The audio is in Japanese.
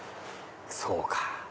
そうか。